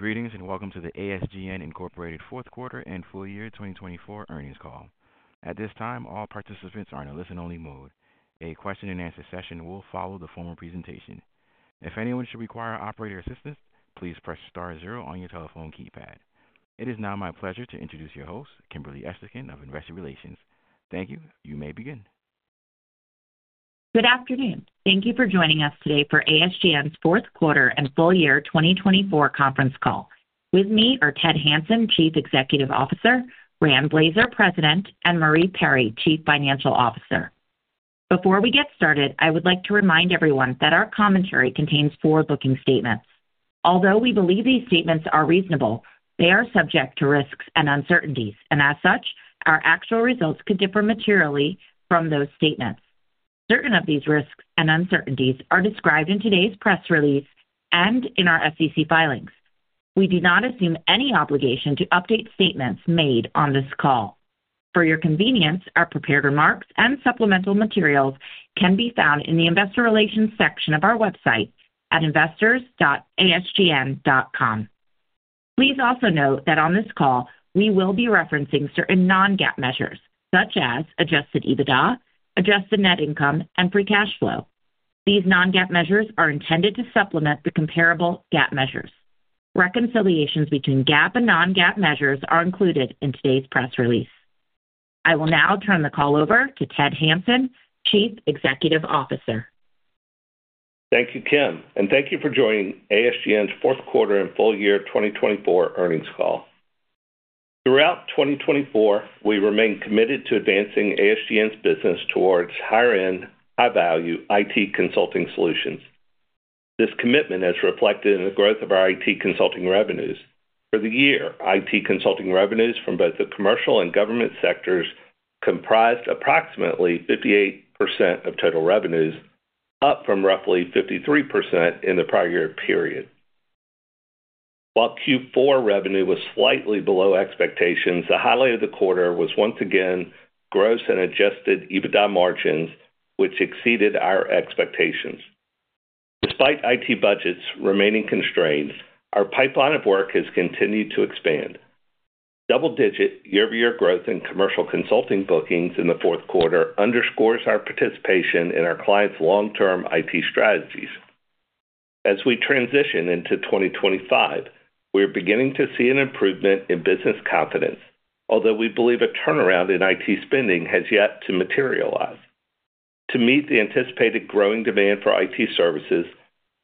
Greetings and welcome to the ASGN Incorporated Fourth Quarter and Full Year 2024 Earnings Call. At this time, all participants are in a listen-only mode. A Q&A session will follow the formal presentation. If anyone should require operator assistance, please press star zero on your telephone keypad. It is now my pleasure to introduce your host, Kimberly Esterkin of Investor Relations. Thank you. You may begin. Good afternoon. Thank you for joining us today for ASGN's Fourth Quarter and Full Year 2024 Conference Call. With me are Ted Hanson, Chief Executive Officer; Rand Blazer, President; and Marie Perry, Chief Financial Officer. Before we get started, I would like to remind everyone that our commentary contains forward-looking statements. Although we believe these statements are reasonable, they are subject to risks and uncertainties, and as such, our actual results could differ materially from those statements. Certain of these risks and uncertainties are described in today's press release and in our SEC filings. We do not assume any obligation to update statements made on this call. For your convenience, our prepared remarks and supplemental materials can be found in the Investor Relations section of our website at investors.asgn.com. Please also note that on this call, we will be referencing certain non-GAAP measures, such as adjusted EBITDA, adjusted net income, and free cash flow. These non-GAAP measures are intended to supplement the comparable GAAP measures. Reconciliations between GAAP and non-GAAP measures are included in today's press release. I will now turn the call over to Ted Hanson, Chief Executive Officer. Thank you, Kim, and thank you for joining ASGN's Fourth Quarter and Full Year 2024 Earnings Call. Throughout 2024, we remain committed to advancing ASGN's business toward higher-end, high-value IT consulting solutions. This commitment is reflected in the growth of our IT consulting revenues. For the year, IT consulting revenues from both the Commercial and Government sectors comprised approximately 58% of total revenues, up from roughly 53% in the prior year period. While Q4 revenue was slightly below expectations, the highlight of the quarter was once again gross and adjusted EBITDA margins, which exceeded our expectations. Despite IT budgets remaining constrained, our pipeline of work has continued to expand. Double-digit year-over-year growth in commercial consulting bookings in the fourth quarter underscores our participation in our clients' long-term IT strategies. As we transition into 2025, we are beginning to see an improvement in business confidence, although we believe a turnaround in IT spending has yet to materialize. To meet the anticipated growing demand for IT services,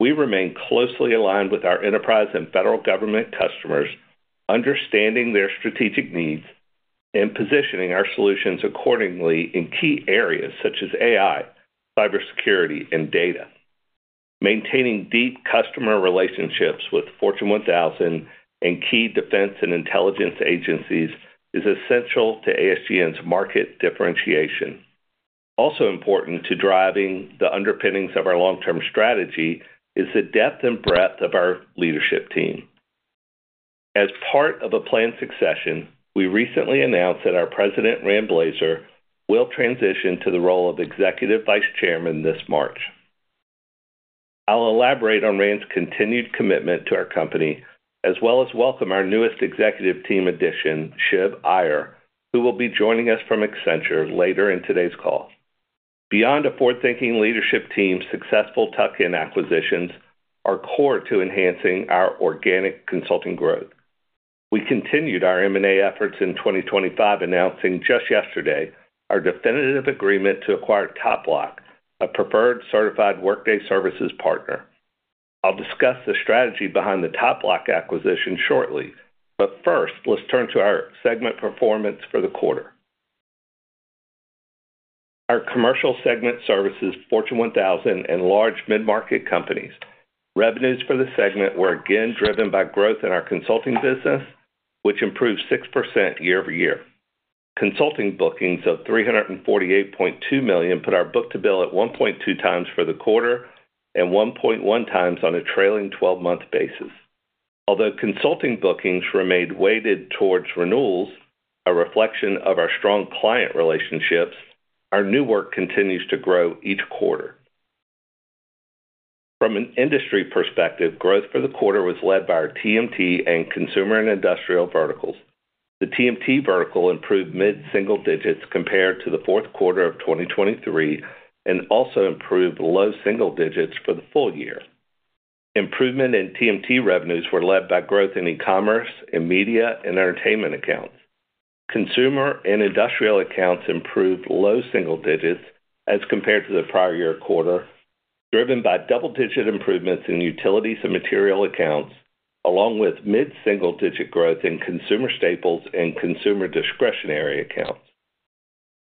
we remain closely aligned with our enterprise and Federal Government customers, understanding their strategic needs and positioning our solutions accordingly in key areas such as AI, cybersecurity, and data. Maintaining deep customer relationships with Fortune 1000 and key Defense and Intelligence agencies is essential to ASGN's market differentiation. Also important to driving the underpinnings of our long-term strategy is the depth and breadth of our leadership team. As part of a planned succession, we recently announced that our President, Rand Blazer, will transition to the role of Executive Vice Chairman this March. I'll elaborate on Rand's continued commitment to our company, as well as welcome our newest executive team addition, Shiv Iyer, who will be joining us from Accenture later in today's call. Beyond a forward-thinking leadership team, successful tuck-in acquisitions are core to enhancing our organic consulting growth. We continued our M&A efforts in 2025, announcing just yesterday our definitive agreement to acquire TopBloc, a preferred certified Workday services partner. I'll discuss the strategy behind the TopBloc acquisition shortly, but first, let's turn to our segment performance for the quarter. Our Commercial segment services Fortune 1000 and large mid-market companies. Revenues for the segment were again driven by growth in our consulting business, which improved 6% year-over-year. Consulting bookings of $348.2 million put our book-to-bill at 1.2 times for the quarter and 1.1 times on a trailing 12-month basis. Although consulting bookings remained weighted towards renewals, a reflection of our strong client relationships, our new work continues to grow each quarter. From an industry perspective, growth for the quarter was led by our TMT and Consumer and Industrial verticals. The TMT vertical improved mid-single digits compared to the fourth quarter of 2023 and also improved low single digits for the full year. Improvement in TMT revenues were led by growth in e-commerce, Media, and Entertainment accounts. Consumer and Industrial accounts improved low single digits as compared to the prior year quarter, driven by double-digit improvements in utilities and material accounts, along with mid-single digit growth in consumer staples and consumer discretionary accounts.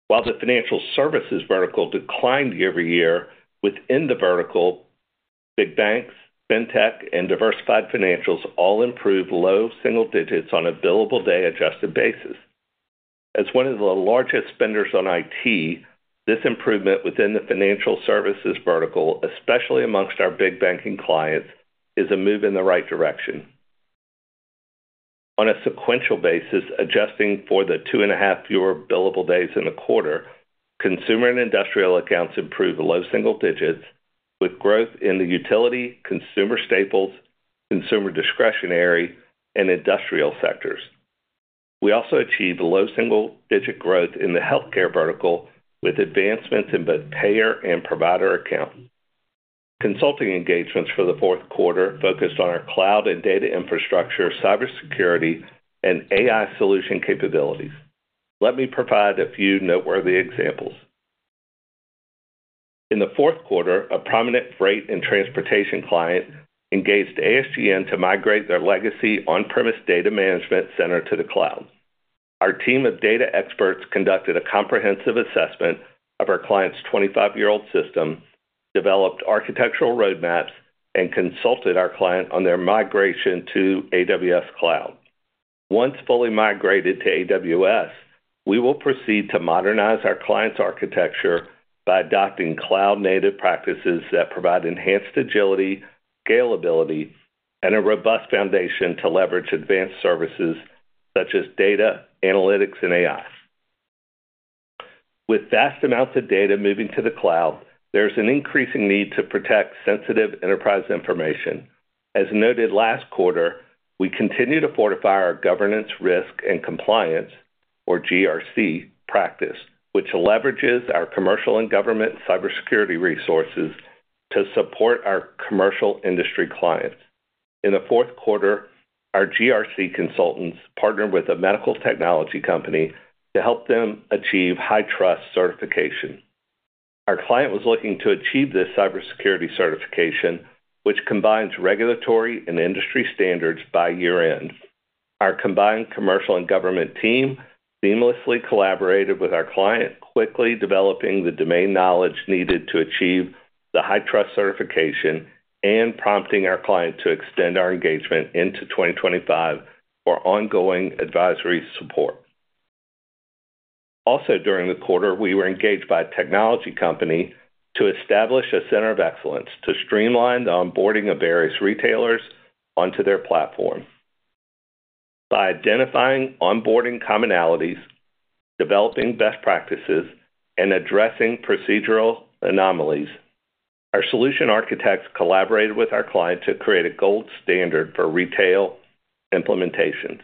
While the Financial Services vertical declined year-over-year, within the vertical, big banks, FinTech, and Diversified financials all improved low single digits on a billable day adjusted basis. As one of the largest spenders on IT, this improvement within the Financial Services vertical, especially among our big banking clients, is a move in the right direction. On a sequential basis, adjusting for the two and a half fewer billable days in the quarter, consumer and industrial accounts improved low single digits, with growth in the utility, consumer staples, consumer discretionary, and industrial sectors. We also achieved a low single-digit growth in the Healthcare vertical, with advancements in both payer and provider accounts. Consulting engagements for the fourth quarter focused on our cloud and data infrastructure, cybersecurity, and AI solution capabilities. Let me provide a few noteworthy examples. In the fourth quarter, a prominent freight and transportation client engaged ASGN to migrate their legacy on-premise data management center to the cloud. Our team of data experts conducted a comprehensive assessment of our client's 25-year-old system, developed architectural roadmaps, and consulted our client on their migration to AWS Cloud. Once fully migrated to AWS, we will proceed to modernize our client's architecture by adopting cloud-native practices that provide enhanced agility, scalability, and a robust foundation to leverage advanced services such as data, analytics, and AI. With vast amounts of data moving to the cloud, there is an increasing need to protect sensitive enterprise information. As noted last quarter, we continue to fortify our governance, risk, and compliance, or GRC, practice, which leverages our Commercial and Government cybersecurity resources to support our Commercial industry clients. In the fourth quarter, our GRC consultants partnered with a medical technology company to help them achieve HITRUST certification. Our client was looking to achieve this cybersecurity certification, which combines regulatory and industry standards by year-end. Our combined Commercial and Government team seamlessly collaborated with our client, quickly developing the domain knowledge needed to achieve the HITRUST certification and prompting our client to extend our engagement into 2025 for ongoing advisory support. Also, during the quarter, we were engaged by a technology company to establish a center of excellence to streamline the onboarding of various retailers onto their platform. By identifying onboarding commonalities, developing best practices, and addressing procedural anomalies, our solution architects collaborated with our client to create a gold standard for retail implementations.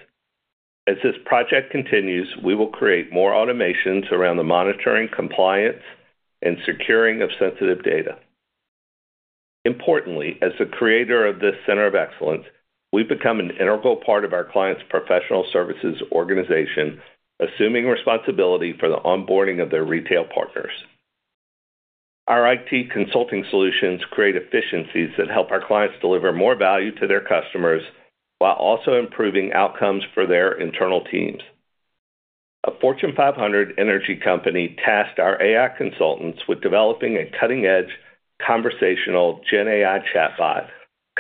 As this project continues, we will create more automations around the monitoring, compliance, and securing of sensitive data. Importantly, as the creator of this center of excellence, we've become an integral part of our client's professional services organization, assuming responsibility for the onboarding of their retail partners. Our IT consulting solutions create efficiencies that help our clients deliver more value to their customers while also improving outcomes for their internal teams. A Fortune 500 energy company tasked our AI consultants with developing a cutting-edge conversational GenAI chatbot,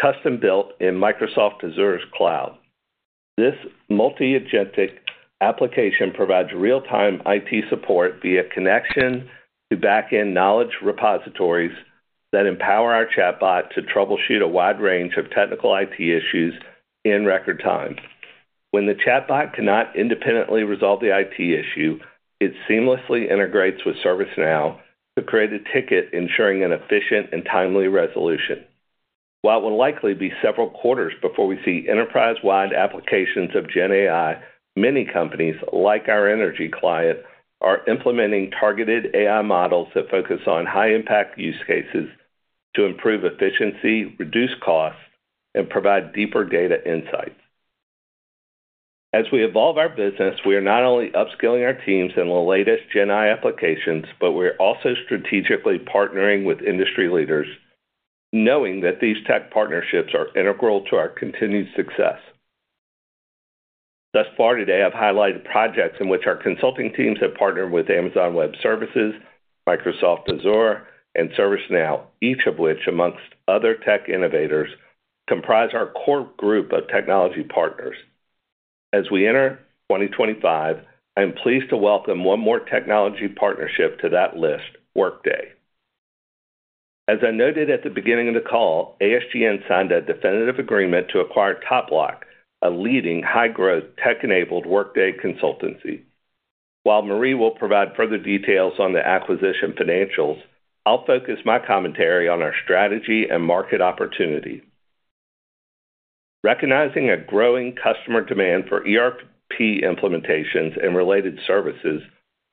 custom-built in Microsoft Azure's cloud. This multi-agentic application provides real-time IT support via connection to back-end knowledge repositories that empower our chatbot to troubleshoot a wide range of technical IT issues in record time. When the chatbot cannot independently resolve the IT issue, it seamlessly integrates with ServiceNow to create a ticket, ensuring an efficient and timely resolution. While it will likely be several quarters before we see enterprise-wide applications of GenAI, many companies, like our energy client, are implementing targeted AI models that focus on high-impact use cases to improve efficiency, reduce costs, and provide deeper data insights. As we evolve our business, we are not only upskilling our teams in the latest GenAI applications, but we're also strategically partnering with industry leaders, knowing that these tech partnerships are integral to our continued success. Thus far today, I've highlighted projects in which our consulting teams have partnered with Amazon Web Services, Microsoft Azure, and ServiceNow, each of which, amongst other tech innovators, comprise our core group of technology partners. As we enter 2025, I'm pleased to welcome one more technology partnership to that list: Workday. As I noted at the beginning of the call, ASGN signed a definitive agreement to acquire TopBloc, a leading high-growth tech-enabled Workday consultancy. While Marie will provide further details on the acquisition financials, I'll focus my commentary on our strategy and market opportunity. Recognizing a growing customer demand for ERP implementations and related services,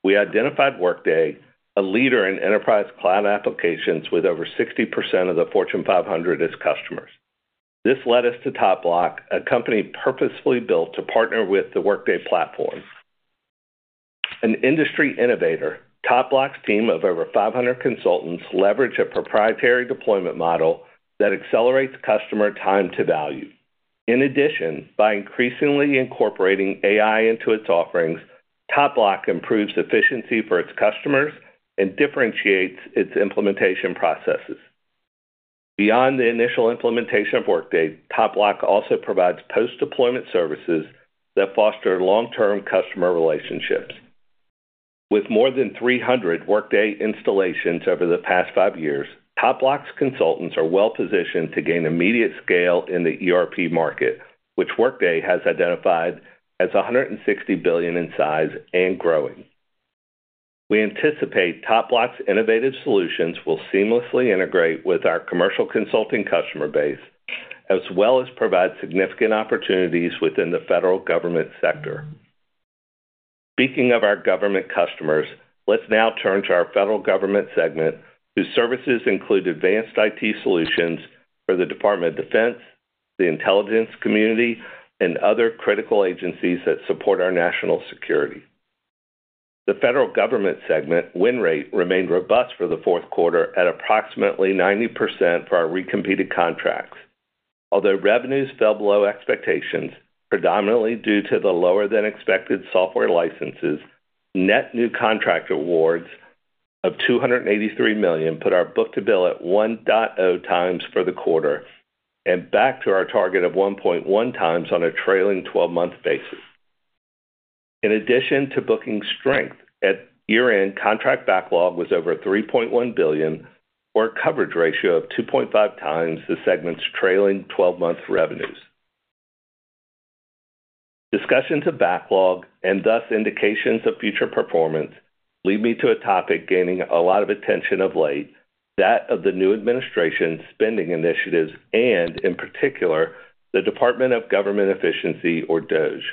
we identified Workday, a leader in enterprise cloud applications with over 60% of the Fortune 500 as customers. This led us to TopBloc, a company purposefully built to partner with the Workday platform. An industry innovator, TopBloc's team of over 500 consultants leverage a proprietary deployment model that accelerates customer time to value. In addition, by increasingly incorporating AI into its offerings, TopBloc improves efficiency for its customers and differentiates its implementation processes. Beyond the initial implementation of Workday, TopBloc also provides post-deployment services that foster long-term customer relationships. With more than 300 Workday installations over the past five years, TopBloc's consultants are well-positioned to gain immediate scale in the ERP market, which Workday has identified as $160 billion in size and growing. We anticipate TopBloc's innovative solutions will seamlessly integrate with our commercial consulting customer base, as well as provide significant opportunities within the Federal Government sector. Speaking of our Government customers, let's now turn to our Federal Government segment, whose services include advanced IT solutions for the Department of Defense, the intelligence community, and other critical agencies that support our national security. The Federal Government segment, win rate, remained robust for the fourth quarter at approximately 90% for our recompeted contracts. Although revenues fell below expectations, predominantly due to the lower-than-expected software licenses, net new contract awards of $283 million put our book-to-bill at 1.0 times for the quarter and back to our target of 1.1 times on a trailing 12-month basis. In addition to booking strength, at year-end, contract backlog was over $3.1 billion, or a coverage ratio of 2.5 times the segment's trailing 12-month revenues. Discussions of backlog and thus indications of future performance lead me to a topic gaining a lot of attention of late, that of the new administration's spending initiatives and, in particular, the Department of Government Efficiency, or DOGE.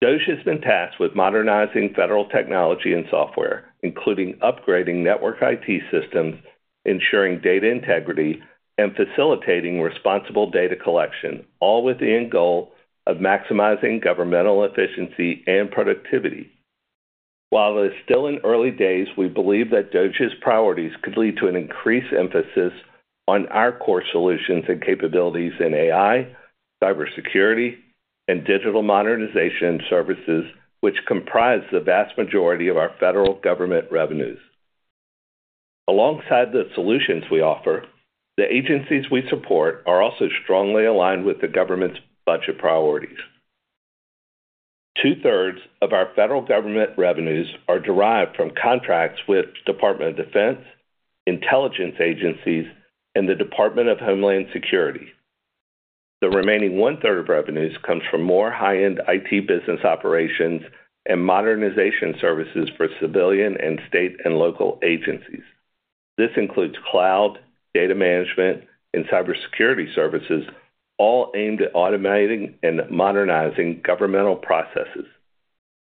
DOGE has been tasked with modernizing federal technology and software, including upgrading network IT systems, ensuring data integrity, and facilitating responsible data collection, all with the end goal of maximizing governmental efficiency and productivity. While it is still in early days, we believe that DOGE's priorities could lead to an increased emphasis on our core solutions and capabilities in AI, cybersecurity, and digital modernization services, which comprise the vast majority of our Federal Government revenues. Alongside the solutions we offer, the agencies we support are also strongly aligned with the Government's budget priorities. 2/3 of our Federal Government revenues are derived from contracts with the Department of Defense, intelligence agencies, and the Department of Homeland Security. The remaining 1/3 of revenues comes from more high-end IT business operations and modernization services for civilian and state, and local agencies. This includes cloud, data management, and cybersecurity services, all aimed at automating and modernizing governmental processes.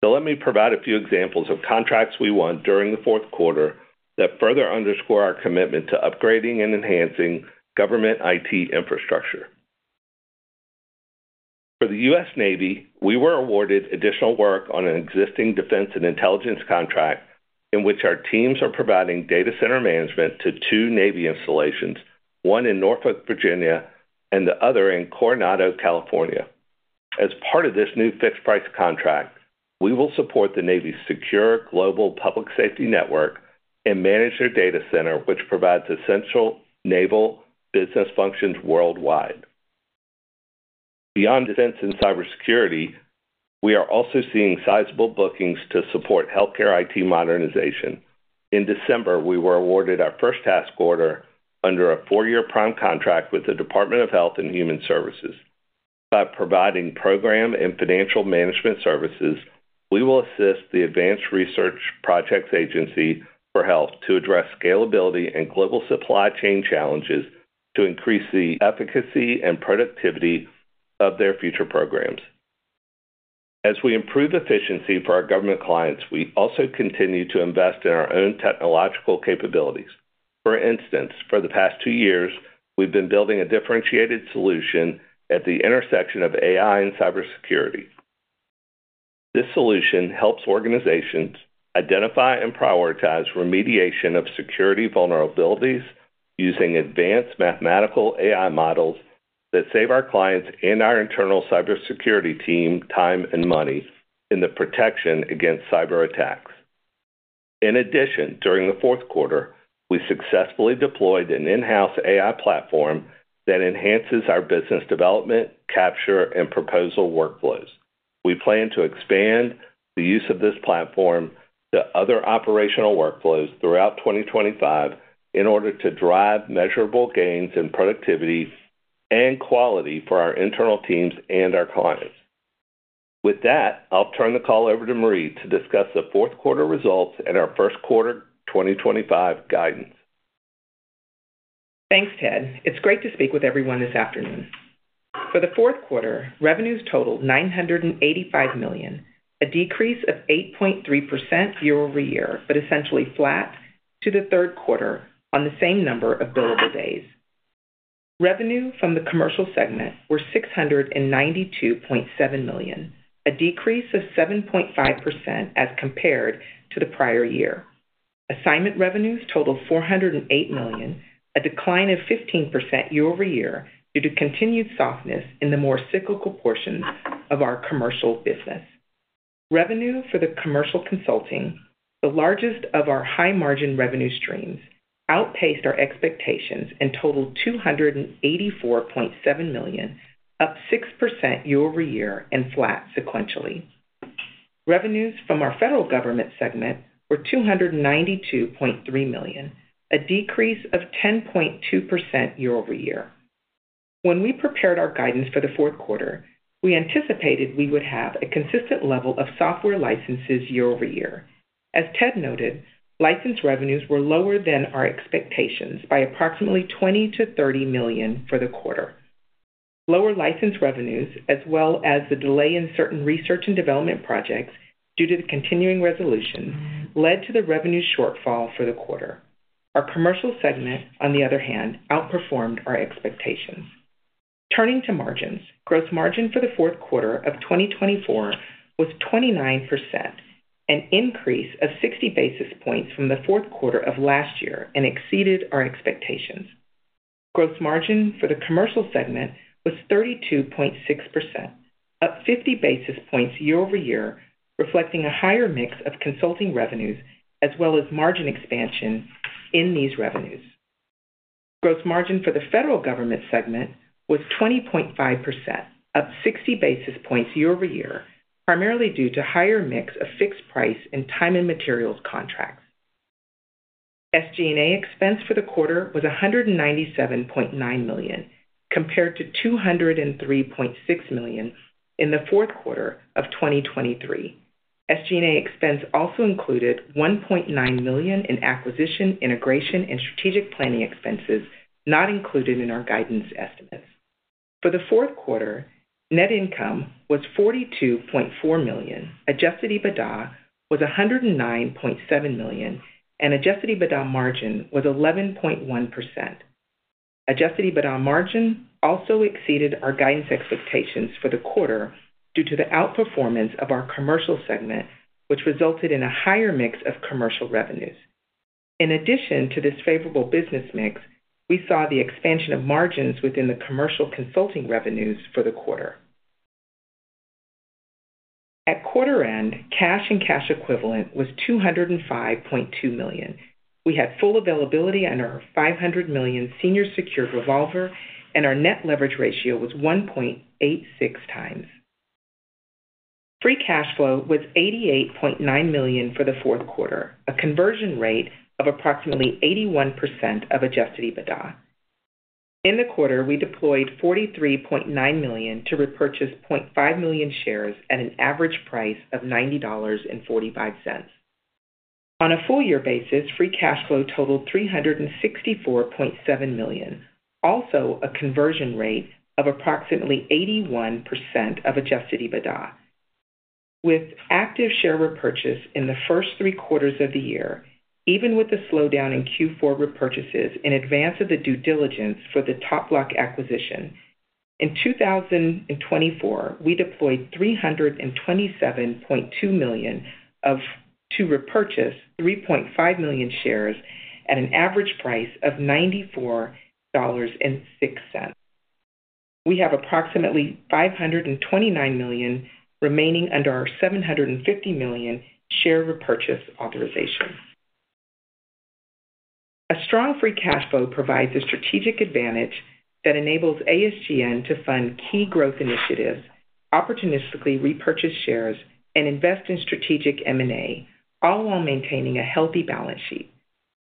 So let me provide a few examples of contracts we won during the fourth quarter that further underscore our commitment to upgrading and enhancing Government IT infrastructure. For the U.S. Navy, we were awarded additional work on an existing Defense and Intelligence contract in which our teams are providing data center management to two Navy installations, one in Norfolk, Virginia, and the other in Coronado, California. As part of this new fixed-price contract, we will support the Navy's secure global public safety network and manage their data center, which provides essential naval business functions worldwide. Beyond defense and cybersecurity, we are also seeing sizable bookings to support healthcare IT modernization. In December, we were awarded our first task order under a four-year prime contract with the Department of Health and Human Services. By providing program and financial management services, we will assist the Advanced Research Projects Agency for Health to address scalability and global supply chain challenges to increase the efficacy and productivity of their future programs. As we improve efficiency for our Government clients, we also continue to invest in our own technological capabilities. For instance, for the past two years, we've been building a differentiated solution at the intersection of AI and cybersecurity. This solution helps organizations identify and prioritize remediation of security vulnerabilities using advanced mathematical AI models that save our clients and our internal cybersecurity team time and money in the protection against cyberattacks. In addition, during the fourth quarter, we successfully deployed an in-house AI platform that enhances our business development, capture, and proposal workflows. We plan to expand the use of this platform to other operational workflows throughout 2025 in order to drive measurable gains in productivity and quality for our internal teams and our clients With that, I'll turn the call over to Marie to discuss the fourth quarter results and our first quarter 2025 guidance. Thanks, Ted. It's great to speak with everyone this afternoon. For the fourth quarter, revenues totaled $985 million, a decrease of 8.3% year-over-year, but essentially flat to the third quarter on the same number of billable days. Revenue from the Commercial segment was $692.7 million, a decrease of 7.5% as compared to the prior year. Assignment revenues totaled $408 million, a decline of 15% year-over-year due to continued softness in the more cyclical portions of our Commercial business. Revenue for the commercial consulting, the largest of our high-margin revenue streams, outpaced our expectations and totaled $284.7 million, up 6% year-over-year and flat sequentially. Revenues from our Federal Government segment were $292.3 million, a decrease of 10.2% year-over-year. When we prepared our guidance for the fourth quarter, we anticipated we would have a consistent level of software licenses year-over-year. As Ted noted, license revenues were lower than our expectations by approximately $20 million-$30 million for the quarter. Lower license revenues, as well as the delay in certain research and development projects due to the continuing resolution, led to the revenue shortfall for the quarter. Our Commercial segment, on the other hand, outperformed our expectations. Turning to margins, gross margin for the fourth quarter of 2024 was 29%, an increase of 60 basis points from the fourth quarter of last year, and exceeded our expectations. Gross margin for the Commercial segment was 32.6%, up 50 basis points year-over-year, reflecting a higher mix of consulting revenues as well as margin expansion in these revenues. Gross margin for the Federal Government segment was 20.5%, up 60 basis points year-over-year, primarily due to a higher mix of fixed-price and time-and-materials contracts. SG&A expense for the quarter was $197.9 million, compared to $203.6 million in the fourth quarter of 2023. SG&A expense also included $1.9 million in acquisition, integration, and strategic planning expenses not included in our guidance estimates. For the fourth quarter, net income was $42.4 million, adjusted EBITDA was $109.7 million, and adjusted EBITDA margin was 11.1%. Adjusted EBITDA margin also exceeded our guidance expectations for the quarter due to the outperformance of our Commercial segment, which resulted in a higher mix of Commercial revenues. In addition to this favorable business mix, we saw the expansion of margins within the commercial consulting revenues for the quarter. At quarter end, cash and cash equivalents was $205.2 million. We had full availability on our $500 million senior secured revolver, and our net leverage ratio was 1.86 times. Free cash flow was $88.9 million for the fourth quarter, a conversion rate of approximately 81% of adjusted EBITDA. In the quarter, we deployed $43.9 million to repurchase 0.5 million shares at an average price of $90.45. On a full-year basis, free cash flow totaled $364.7 million, also a conversion rate of approximately 81% of adjusted EBITDA. With active share repurchase in the first three quarters of the year, even with the slowdown in Q4 repurchases in advance of the due diligence for the TopBloc acquisition, in 2024, we deployed $327.2 million to repurchase $3.5 million shares at an average price of $94.06. We have approximately $529 million remaining under our $750 million share repurchase authorization. A strong free cash flow provides a strategic advantage that enables ASGN to fund key growth initiatives, opportunistically repurchase shares, and invest in strategic M&A, all while maintaining a healthy balance sheet.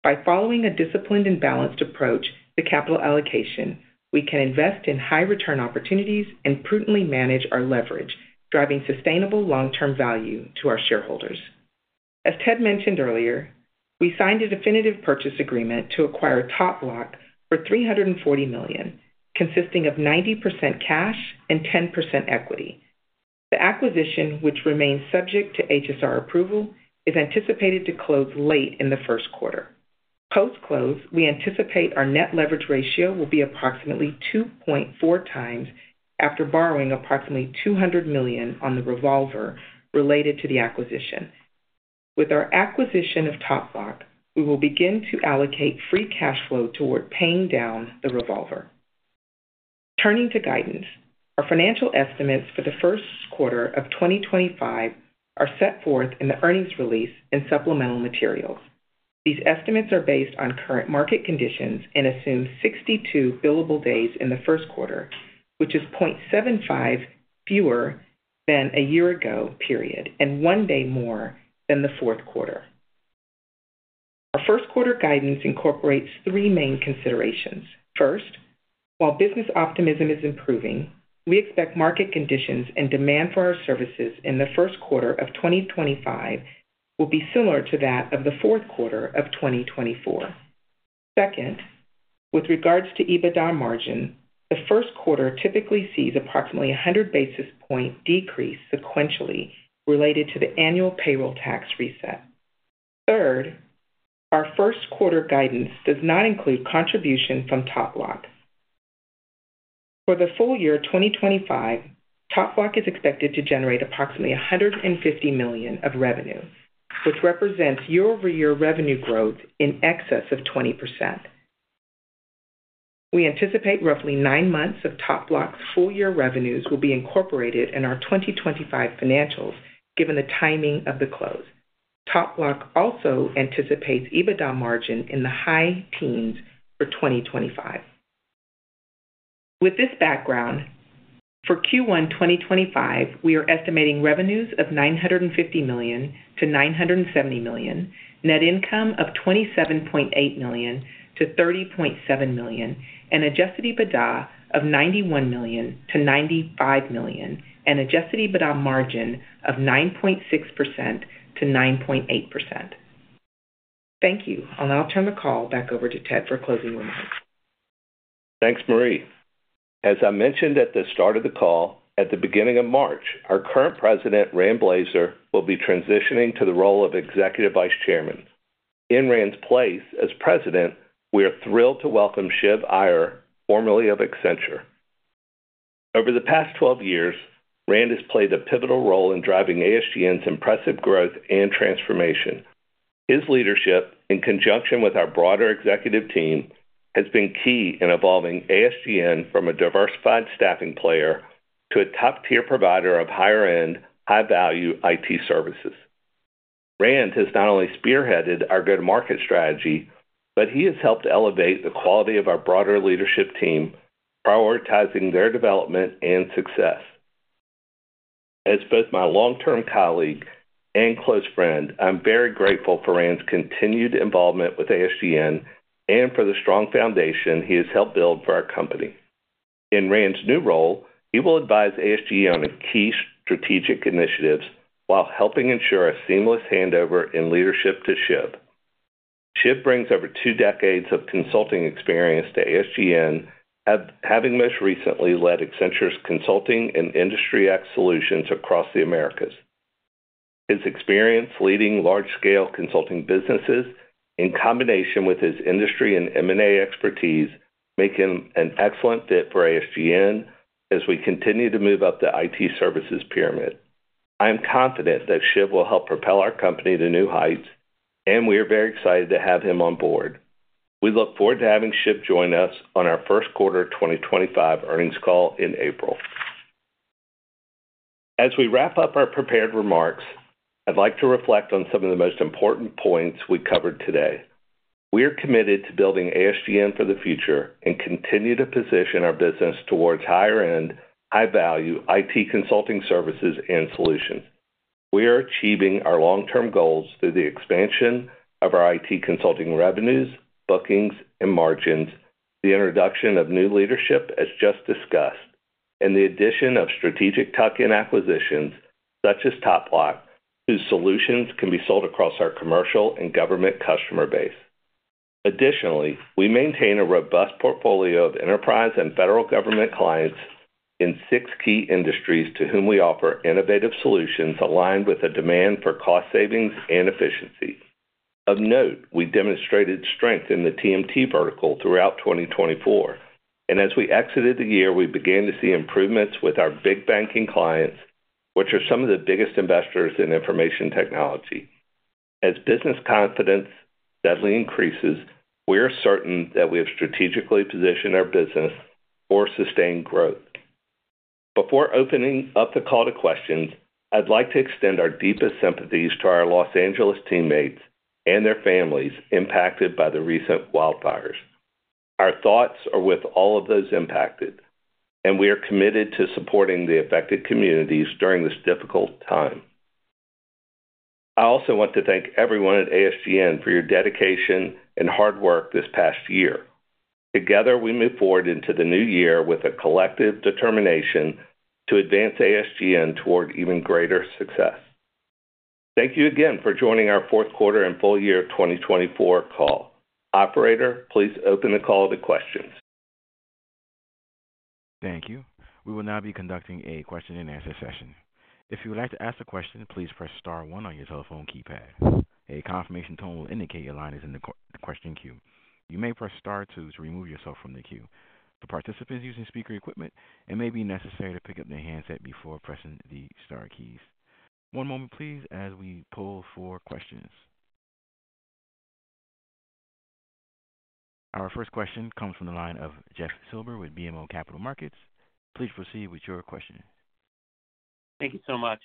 By following a disciplined and balanced approach to capital allocation, we can invest in high-return opportunities and prudently manage our leverage, driving sustainable long-term value to our shareholders. As Ted mentioned earlier, we signed a definitive purchase agreement to acquire TopBloc for $340 million, consisting of 90% cash and 10% equity. The acquisition, which remains subject to HSR approval, is anticipated to close late in the first quarter. Post-close, we anticipate our net leverage ratio will be approximately 2.4 times after borrowing approximately $200 million on the revolver related to the acquisition. With our acquisition of TopBloc, we will begin to allocate free cash flow toward paying down the revolver. Turning to guidance, our financial estimates for the first quarter of 2025 are set forth in the earnings release and supplemental materials. These estimates are based on current market conditions and assume 62 billable days in the first quarter, which is 0.75 fewer than a year ago period and one day more than the fourth quarter. Our first quarter guidance incorporates three main considerations. First, while business optimism is improving, we expect market conditions and demand for our services in the first quarter of 2025 will be similar to that of the fourth quarter of 2024. Second, with regards to EBITDA margin, the first quarter typically sees approximately 100 basis points decrease sequentially related to the annual payroll tax reset. Third, our first quarter guidance does not include contribution from TopBloc. For the full year 2025, TopBloc is expected to generate approximately $150 million of revenue, which represents year-over-year revenue growth in excess of 20%. We anticipate roughly nine months of TopBloc's full-year revenues will be incorporated in our 2025 financials, given the timing of the close. TopBloc also anticipates EBITDA margin in the high teens for 2025. With this background, for Q1 2025, we are estimating revenues of $950 million-$970 million, net income of $27.8 million-$30.7 million, and adjusted EBITDA of $91 million-$95 million, and adjusted EBITDA margin of 9.6%-9.8%. T hank you. I'll now turn the call back over to Ted for closing remarks. Thanks, Marie. As I mentioned at the start of the call, at the beginning of March, our current president, Rand Blazer, will be transitioning to the role of Executive Vice Chairman. In Rand's place as President, we are thrilled to welcome Shiv Iyer, formerly of Accenture. Over the past 12 years, Rand has played a pivotal role in driving ASGN's impressive growth and transformation. His leadership, in conjunction with our broader executive team, has been key in evolving ASGN from a diversified staffing player to a top-tier provider of higher-end, high-value IT services. Rand has not only spearheaded our go-to-market strategy, but he has helped elevate the quality of our broader leadership team, prioritizing their development and success. As both my long-term colleague and close friend, I'm very grateful for Rand's continued involvement with ASGN and for the strong foundation he has helped build for our company. In Rand's new role, he will advise ASGN on key strategic initiatives while helping ensure a seamless handover in leadership to Shiv. Shiv brings over two decades of consulting experience to ASGN, having most recently led Accenture's consulting and Industry X solutions across the Americas. His experience leading large-scale consulting businesses, in combination with his industry and M&A expertise, make him an excellent fit for ASGN as we continue to move up the IT services pyramid. I am confident that Shiv will help propel our company to new heights, and we are very excited to have him on board. We look forward to having Shiv join us on our first quarter 2025 earnings call in April. As we wrap up our prepared remarks, I'd like to reflect on some of the most important points we covered today. We are committed to building ASGN for the future and continue to position our business towards higher-end, high-value IT consulting services and solutions. We are achieving our long-term goals through the expansion of our IT consulting revenues, bookings, and margins, the introduction of new leadership, as just discussed, and the addition of strategic tuck-in acquisitions such as TopBloc, whose solutions can be sold across our Commercial and Government customer base. Additionally, we maintain a robust portfolio of Enterprise and Federal Government clients in six key industries to whom we offer innovative solutions aligned with the demand for cost savings and efficiency. Of note, we demonstrated strength in the TMT vertical throughout 2024, and as we exited the year, we began to see improvements with our big banking clients, which are some of the biggest investors in information technology. As business confidence steadily increases, we are certain that we have strategically positioned our business for sustained growth. Before opening up the call to questions, I'd like to extend our deepest sympathies to our Los Angeles teammates and their families impacted by the recent wildfires. Our thoughts are with all of those impacted, and we are committed to supporting the affected communities during this difficult time. I also want to thank everyone at ASGN for your dedication and hard work this past year. Together, we move forward into the new year with a collective determination to advance ASGN toward even greater success. Thank you again for joining our Fourth Quarter and Full Year 2024 Call. Operator, please open the call to questions. Thank you. We will now be conducting a Q&A session. If you would like to ask a question, please press star one on your telephone keypad. A confirmation tone will indicate your line is in the question queue. You may press star two to remove yourself from the queue. For participants using speaker equipment, it may be necessary to pick up their handset before pressing the star keys. One moment, please, as we poll for questions. Our first question comes from the line of Jeff Silber with BMO Capital Markets. Please proceed with your question. Thank you so much.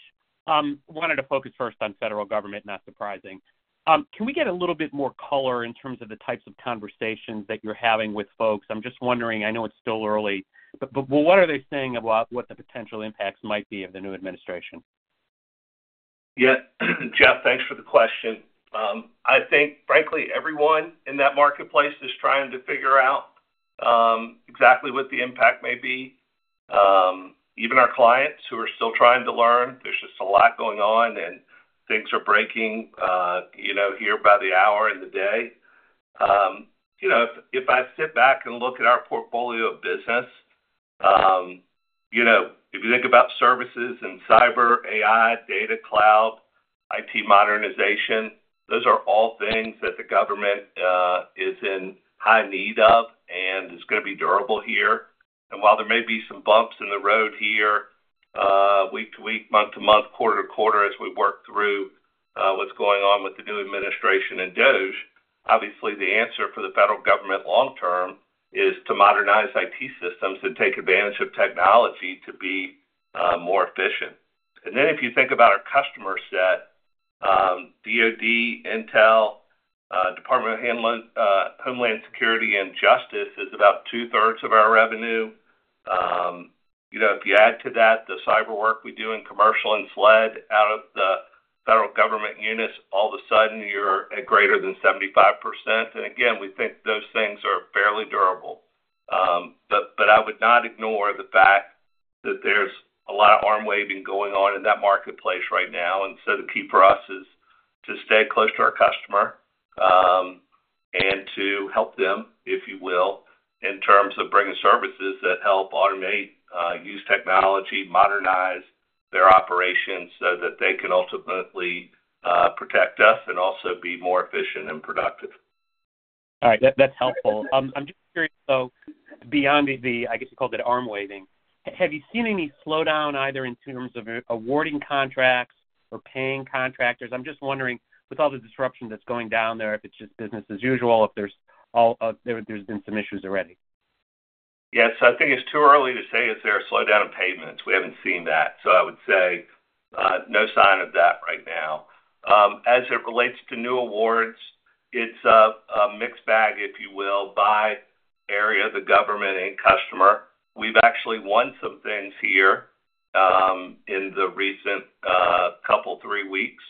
I wanted to focus first on Federal Government, not surprising. Can we get a little bit more color in terms of the types of conversations that you're having with folks? I'm just wondering, I know it's still early, but what are they saying about what the potential impacts might be of the new administration? Yeah. Jeff, thanks for the question. I think, frankly, everyone in that marketplace is trying to figure out exactly what the impact may be. Even our clients who are still trying to learn, there's just a lot going on, and things are breaking here by the hour and the day. If I sit back and look at our portfolio of business, if you think about services and cyber, AI, data, cloud, IT modernization, those are all things that the Government is in high need of and is going to be durable here. While there may be some bumps in the road here, week to week, month to month, quarter to quarter, as we work through what's going on with the new administration and DOGE, obviously, the answer for the Federal Government long-term is to modernize IT systems and take advantage of technology to be more efficient. And then if you think about our customer set, DoD, Intel, Department of Homeland Security, and Justice is about 2/3 of our revenue. If you add to that the cyber work we do in Commercial and SLED out of the Federal Government units, all of a sudden, you're at greater than 75%. Again, we think those things are fairly durable. I would not ignore the fact that there's a lot of arm-waving going on in that marketplace right now, and so the key for us is to stay close to our customer and to help them, if you will, in terms of bringing services that help automate, use technology, modernize their operations so that they can ultimately protect us and also be more efficient and productive. All right. That's helpful. I'm just curious, though, beyond the, I guess you called it arm-waving, have you seen any slowdown either in terms of awarding contracts or paying contractors? I'm just wondering, with all the disruption that's going down there, if it's just business as usual, if there's been some issues already. Yes. I think it's too early to say if there's a slowdown in payments. We haven't seen that. So, I would say, no sign of that right now. As it relates to new awards, it's a mixed bag, if you will, by area, the government and customer. We've actually won some things here in the recent couple, three weeks,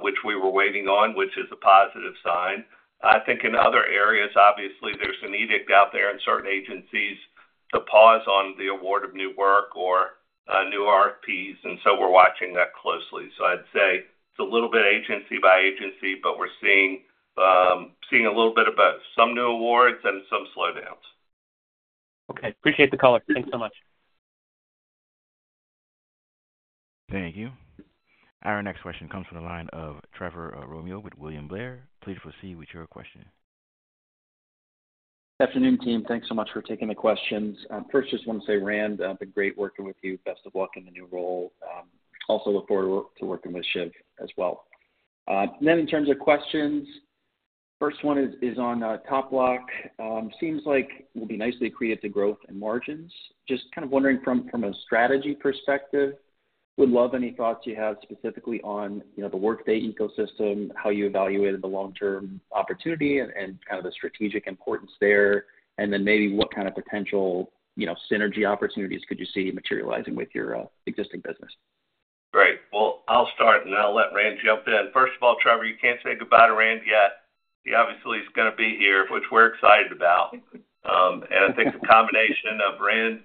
which we were waiting on, which is a positive sign. I think in other areas, obviously, there's an edict out there in certain agencies to pause on the award of new work or new RFPs. And so we're watching that closely. So I'd say it's a little bit agency by agency, but we're seeing a little bit about some new awards and some slowdowns. Okay. Appreciate the caller. Thanks so much. Thank you. Our next question comes from the line of Trevor Romeo with William Blair. Please proceed with your question. Good afternoon, team. Thanks so much for taking the questions. First, just want to say, Rand, it's been great working with you. Best of luck in the new role. Also look forward to working with Shiv as well. Then in terms of questions, the first one is on TopBloc. Seems like it will be nicely accretive to growth and margins. Just kind of wondering from a strategy perspective, would love any thoughts you have specifically on the Workday ecosystem, how you evaluated the long-term opportunity and kind of the strategic importance there, and then maybe what kind of potential, you know, synergy opportunities could you see materializing with your existing business. Great. Well, I'll start, and I'll let Rand jump in. First of all, Trevor, you can't say goodbye to Rand yet. He obviously is going to be here, which we're excited about. And I think the combination of Rand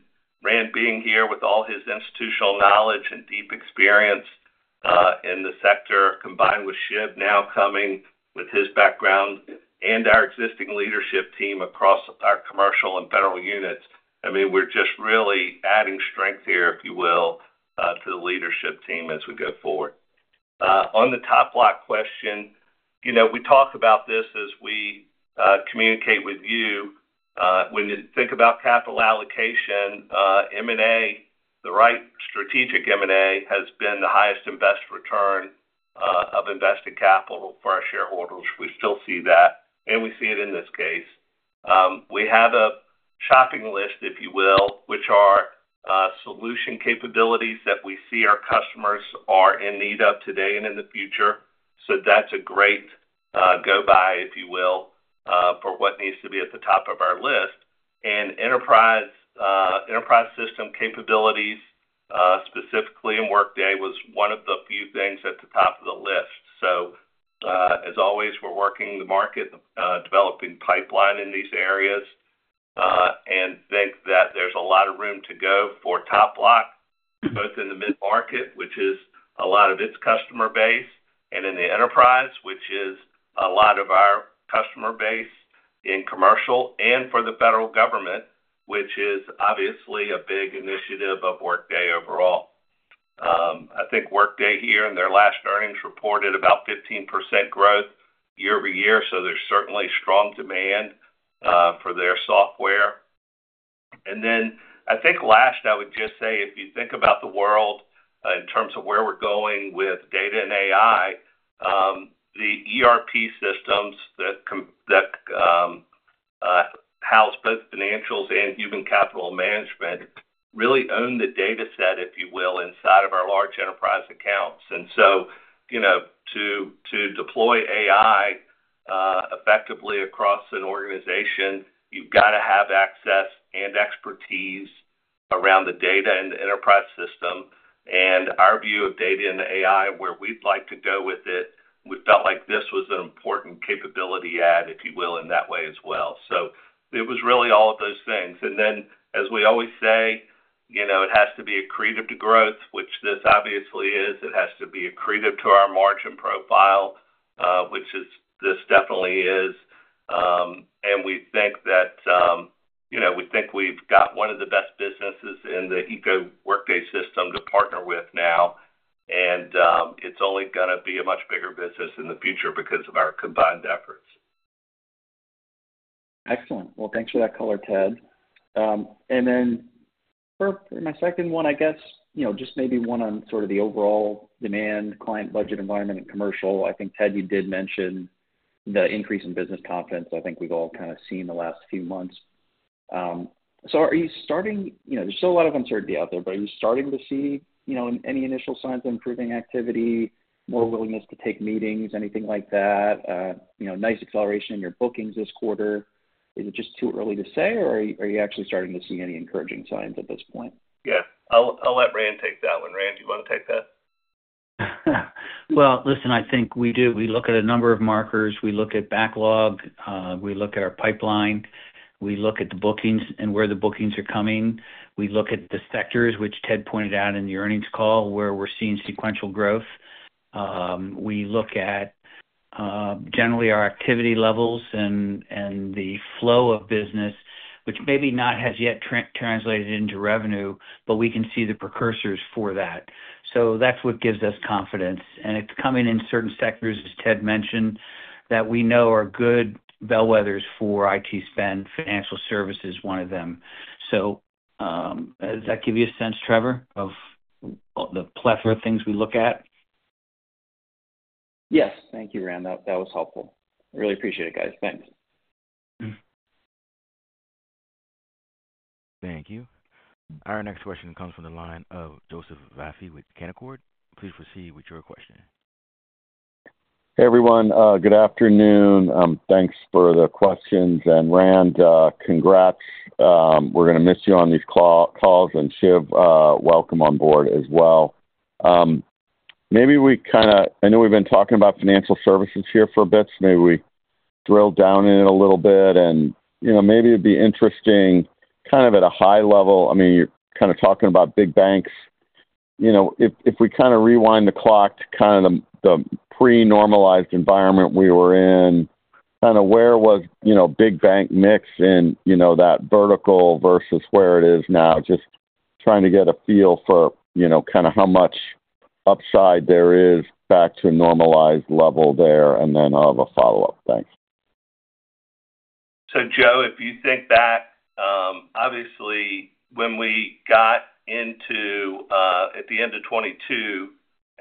being here with all his institutional knowledge and deep experience in the sector, combined with Shiv now coming with his background and our existing leadership team across our Commercial and Federal units, I mean, we're just really adding strength here, if you will, to the leadership team as we go forward. On the TopBloc question, we talk about this as we communicate with you. When you think about capital allocation, M&A, the right strategic M&A has been the highest and best return of invested capital for our shareholders. We still see that, and we see it in this case. We have a shopping list, if you will, which are solution capabilities that we see our customers are in need of today and in the future. So that's a great go-by, if you will, for what needs to be at the top of our list. And enterprise system capabilities, specifically in Workday, was one of the few things at the top of the list. So as always, we're working the market, developing pipeline in these areas, and think that there's a lot of room to go for TopBloc, both in the mid-market, which is a lot of its customer base, and in the enterprise, which is a lot of our customer base in Commercial, and for the Federal Government, which is obviously a big initiative of Workday overall. I think Workday here and their last earnings reported about 15% growth year-over-year, so there's certainly strong demand for their software. And then I think last, I would just say, if you think about the world in terms of where we're going with data and AI, the ERP systems that house both financials and human capital management really own the data set, if you will, inside of our large enterprise accounts. And so, you know, to deploy AI effectively across an organization, you've got to have access and expertise around the data and the enterprise system. And our view of data and AI, where we'd like to go with it, we felt like this was an important capability add, if you will, in that way as well. So it was really all of those things. And then, as we always say, it has to be accretive to growth, which this obviously is. It has to be accretive to our margin profile, which this definitely is. And we think that we've got one of the best businesses in the Workday system to partner with now, and it's only going to be a much bigger business in the future because of our combined efforts. Excellent. Well, thanks for that color, Ted. And then for my second one, I guess just maybe one on sort of the overall demand, client budget, environment, and commercial. I think, Ted, you did mention the increase in business confidence. I think we've all kind of seen the last few months. So are you starting, there's still a lot of uncertainty out there, but are you starting to see any initial signs of improving activity, more willingness to take meetings, anything like that? Nice acceleration in your bookings this quarter. Is it just too early to say, or are you actually starting to see any encouraging signs at this point? Yeah.I'll let Rand take that one. Rand, do you want to take that? Well, listen, I think we do. We look at a number of markers. We look at backlog. We look at our pipeline. We look at the bookings and where the bookings are coming. We look at the sectors, which Ted pointed out in the earnings call, where we're seeing sequential growth. We look at generally our activity levels and the flow of business, which maybe not has yet translated into revenue, but we can see the precursors for that. So that's what gives us confidence. And it's coming in certain sectors, as Ted mentioned, that we know are good bellwethers for IT spend. Financial Services is one of them. So does that give you a sense, Trevor, of the plethora of things we look at? Yes. Thank you, Rand. That was helpful. Really appreciate it, guys. Thanks. Thank you. Our next question comes from the line of Joseph Vafi with Canaccord. Please proceed with your question. Hey, everyone. Good afternoon. Thanks for the questions. And Rand, congrats. We're going to miss you on these calls. And Shiv, welcome on board as well. Maybe we kind of, I know we've been talking about Financial Services here for a bit, so maybe we drill down in it a little bit. And maybe it'd be interesting kind of at a high level, I mean, you're kind of talking about big banks. You know, if we kind of rewind the clock to kind of the pre-normalized environment we were in, kind of where was big bank mix in that vertical versus where it is now? Just trying to get a feel for kind of how much upside there is back to a normalized level there. And then I'll have a follow-up. Thanks. So, Joe, if you think back, obviously, when we got into at the end of 2022,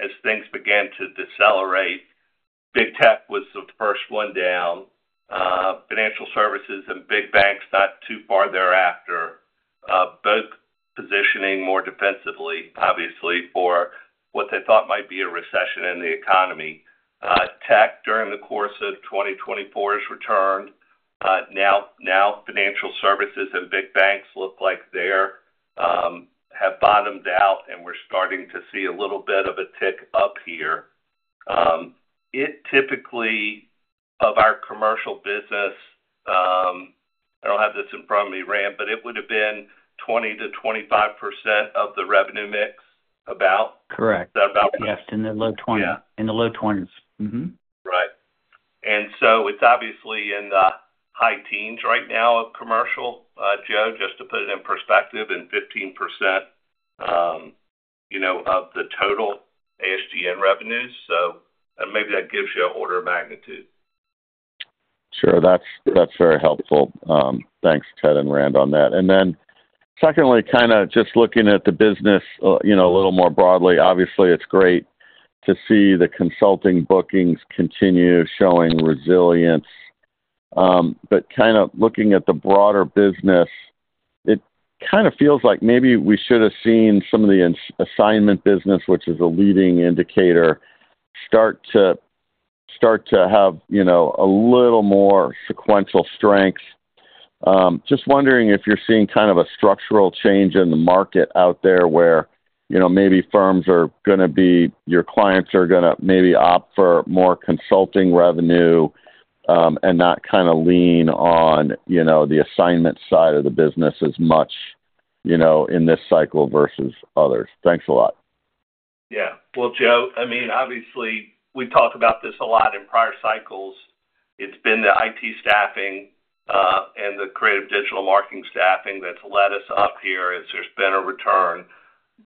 as things began to decelerate, Big Tech was the first one down. Financial Services and big banks not too far thereafter, both positioning more defensively, obviously, for what they thought might be a recession in the economy. Tech during the course of 2024 has returned. Now, Financial Services and big banks look like they have bottomed out, and we're starting to see a little bit of a tick up here. It typically, of our Commercial business. I don't have this in front of me, Rand. But it would have been 20%-25% of the revenue mix, about. Correct. Yes. In the low 20s. In the low 20s. Right. And so it's obviously in the high teens right now of Commercial, Joe, just to put it in perspective, and 15% of the total ASGN revenues. So maybe that gives you an order of magnitude. Sure. That's very helpful. Thanks, Ted and Rand, on that. And then secondly, kind of just looking at the business a little more broadly, obviously, it's great to see the consulting bookings continue showing resilience. But kind of looking at the broader business, it kind of feels like maybe we should have seen some of the assignment business, which is a leading indicator, start to have a little more sequential strength. Just wondering if you're seeing kind of a structural change in the market out there where maybe firms are going to be, your clients are going to maybe opt for more consulting revenue and not kind of lean on the assignment side of the business as much in this cycle versus others. Thanks a lot. Yeah. Well, Joe, I mean, obviously, we talk about this a lot in prior cycles. It's been the IT staffing and the creative digital marketing staffing that's led us up here as there's been a return.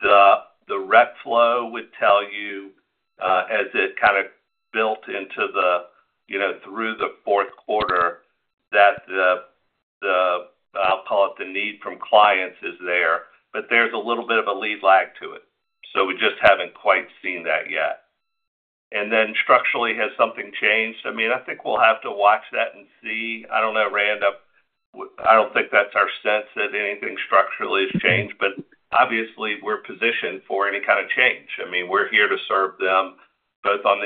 The rev flow would tell you, as it kind of built into the, through the fourth quarter, that the, I'll call it the need from clients is there. But there's a little bit of a lead lag to it. So we just haven't quite seen that yet, and then structurally, has something changed? I mean, I think we'll have to watch that and see. I don't know, Rand. I don't think that's our sense that anything structurally has changed. But obviously, we're positioned for any kind of change. I mean, we're here to serve them both on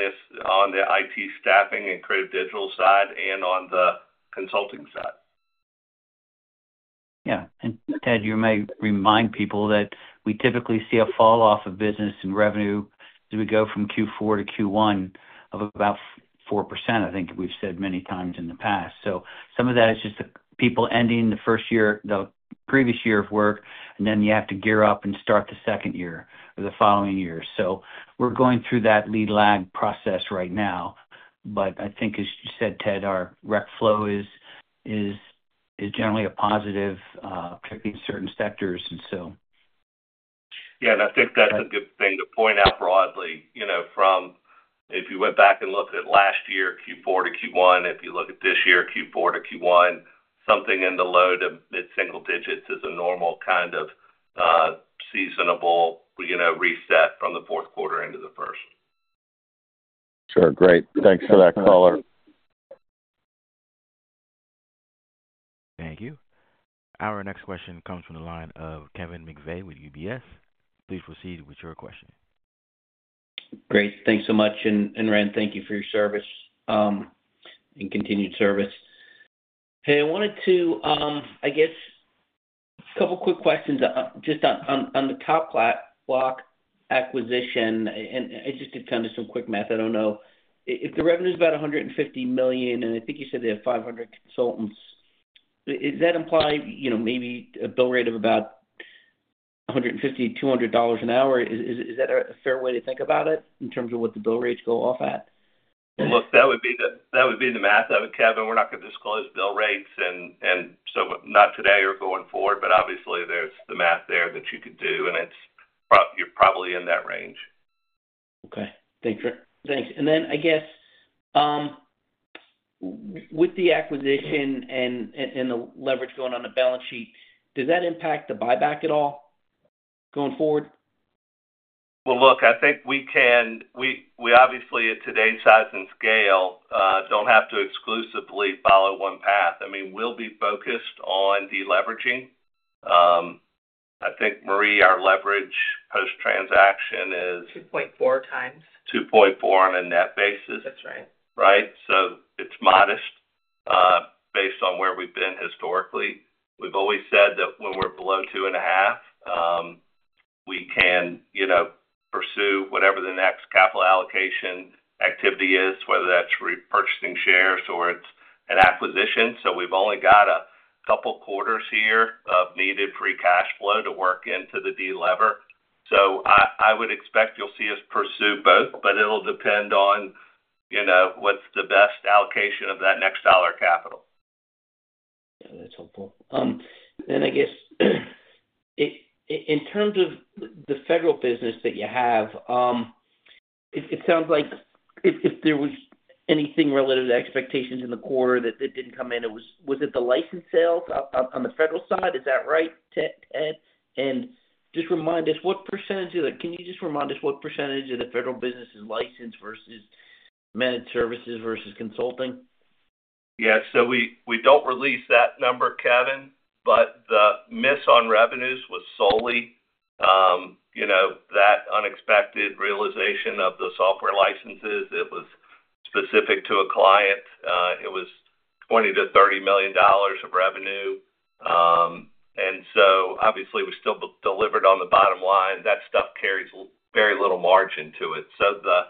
the IT staffing and creative digital side and on the consulting side. Yeah. And Ted, you may remind people that we typically see a fall-off of business and revenue as we go from Q4 to Q1 of about 4%. I think we've said many times in the past. So some of that is just the people ending the first year, the previous year of work, and then you have to gear up and start the second year or the following year. So we're going through that lead lag process right now. But I think, as you said, Ted, our rev flow is generally positive, particularly in certain sectors, and so. Yeah. And I think that's a good thing to point out broadly. If you went back and looked at last year, Q4 to Q1, if you look at this year, Q4 to Q1, something in the low to mid-single digits is a normal kind of seasonable, we're gonna reset from the fourth quarter into the first. Sure. Great. Thanks for that color. Thank you. Our next question comes from the line of Kevin McVeigh with UBS. Please proceed with your question. Great. Thanks so much. And Rand, thank you for your service and continued service. Hey, I wanted to, I guess, a couple of quick questions just on the TopBloc acquisition. And it just depends on some quick math. I don't know. If the revenue is about $150 million, and I think you said they have 500 consultants, does that imply maybe a bill rate of about $150-$200 an hour? Is that a fair way to think about it in terms of what the bill rates go off at? Look, that would be the math. I would, Kevin, we're not going to disclose bill rates. And so not today or going forward, but obviously, there's the math there that you could do, and you're probably in that range. Okay. Thanks. And then, I guess, with the acquisition and the leverage going on the balance sheet, does that impact the buyback at all going forward? Well, look, I think we can, we obviously, at today's size and scale, don't have to exclusively follow one path. I mean, we'll be focused on deleveraging. I think, Marie, our leverage post-transaction is 2.4 on a net basis. That's right. Right? So it's modest based on where we've been historically. We've always said that when we're below two and a half, we can, you know, pursue whatever the next capital allocation activity is, whether that's repurchasing shares or it's an acquisition. So we've only got a couple of quarters here of needed free cash flow to work into the delever. So I would expect you'll see us pursue both, but it'll depend on what's the best allocation of that next dollar capital. Yeah. That's helpful. Then, I guess, in terms of the Federal business that you have, it sounds like if there was anything related to expectations in the quarter that didn't come in, was it the license sales on the Federal side? Is that right, Ted? And just remind us, what percentage like, can you just remind us what percentage the Federal business is licensed versus managed services versus consulting? Yeah. So, we don't release that number, Kevin, but the miss on revenues was solely that unexpected realization of the software licenses. It was specific to a client. It was $20 million-$30 million of revenue. And so, obviously, we still delivered on the bottom line. That stuff carries very little margin to it. So the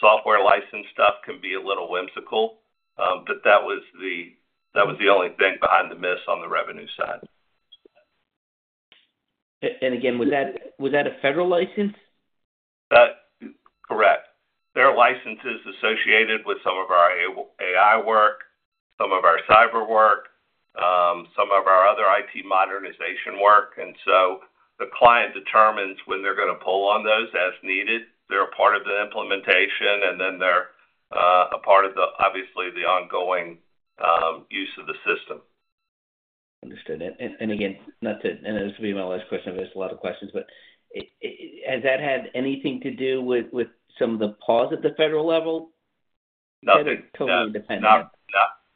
software license stuff can be a little whimsical, but that was the only thing behind the miss on the revenue side. And again, was that a Federal license? Correct. There are licenses associated with some of our AI work, some of our cyber work, some of our other IT modernization work. And so the client determines when they're going to pull on those as needed. They're a part of the implementation, and then they're a part of, obviously, the ongoing use of the system. Understood. And again, not to—and this will be my last question. I've asked a lot of questions, but has that had anything to do with some of the pause at the Federal level? Nothing. Totally independent.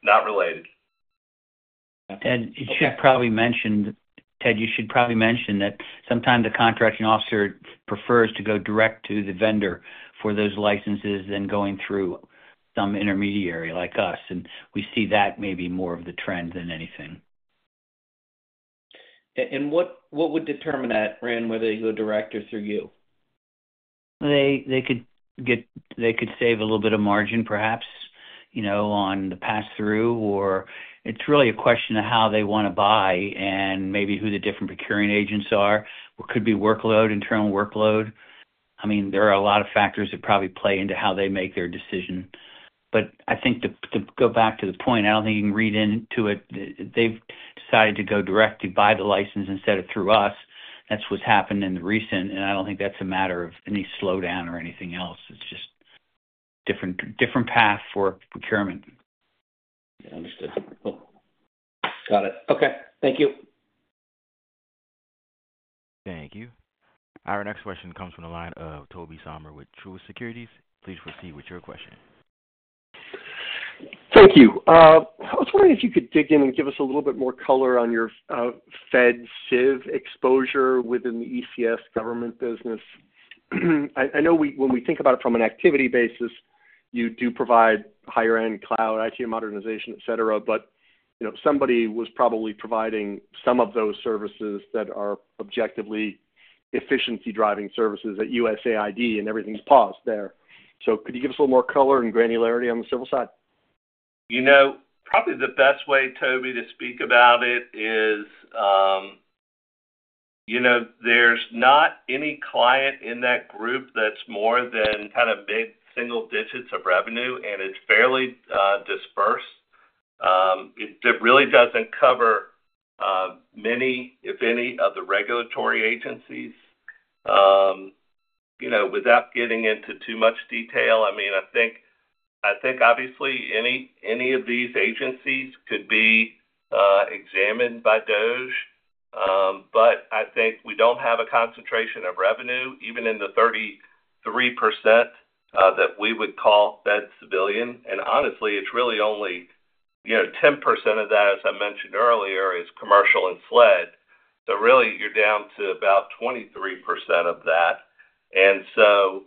Not related. And you should probably mention, Ted, you should probably mention that sometimes the contracting officer prefers to go direct to the vendor for those licenses than going through some intermediary like us. And we see that may be more of the trend than anything. And what would determine that, Rand, whether they go direct or through you? They could save a little bit of margin, perhaps, on the pass-through. Or it's really a question of how they want to buy and maybe who the different procuring agents are, what could be workload, internal workload. I mean, there are a lot of factors that probably play into how they make their decision. But I think to go back to the point, I don't think you can read into it. They've decided to go directly buy the license instead of through us. That's what's happened in the recent. And I don't think that's a matter of any slowdown or anything else. It's just a different path for procurement. Understood. Got it. Okay. Thank you. Thank you. Our next question comes from the line of Tobey Sommer with Truist Securities. Please proceed with your question. Thank you. I was wondering if you could dig in and give us a little bit more color on your FedCiv exposure within the ECS government business. I know when we think about it from an activity basis, you do provide higher-end cloud, IT modernization, etc. But somebody was probably providing some of those services that are objectively efficiency-driving services at USAID, and everything's paused there. So, could you give us a little more color and granularity on the civil side? You know, probably the best way, Tobey, to speak about it is there's not any client in that group that's more than kind of mid-single digits of revenue, and it's fairly dispersed. It really doesn't cover many, if any, of the regulatory agencies. Without getting into too much detail, I mean, I think, obviously, any of these agencies could be examined by DOGE. But I think we don't have a concentration of revenue, even in the 33% that we would call FedCiv. And honestly, it's really only 10% of that, as I mentioned earlier, is Commercial and SLED. So really, you're down to about 23% of that. And so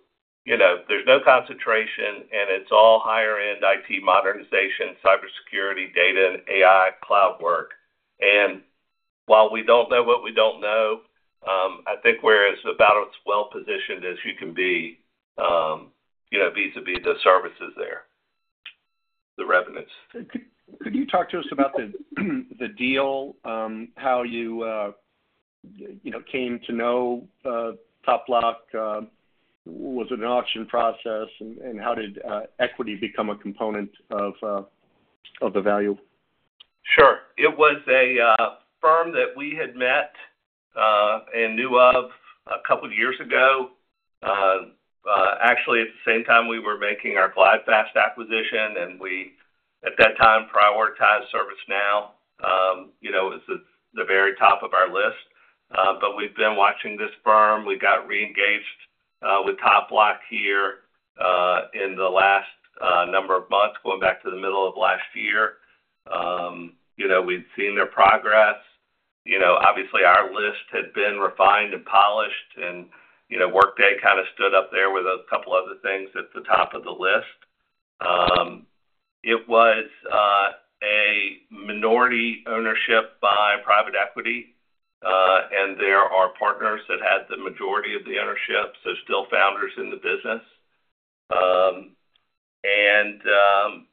there's no concentration, and it's all higher-end IT modernization, cybersecurity, data, and AI cloud work. And while we don't know what we don't know, I think we're as about as well-positioned as you can be vis-à-vis the services there, the revenues. Could you talk to us about the deal, how you came to know TopBloc? Was it an auction process? And how did equity become a component of the value? Sure. It was a firm that we had met and knew of a couple of years ago. Actually, at the same time, we were making our GlideFast acquisition, and we, at that time, prioritized ServiceNow. It was the very top of our list. But we've been watching this firm. We got re-engaged with TopBloc here in the last number of months, going back to the middle of last year. We'd seen their progress. Obviously, our list had been refined and polished, and Workday kind of stood up there with a couple of other things at the top of the list. It was a minority ownership by private equity, and there are partners that had the majority of the ownership, so still founders in the business. And